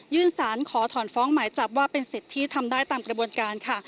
สารขอถอนฟ้องหมายจับว่าเป็นสิทธิ์ที่ทำได้ตามกระบวนการค่ะ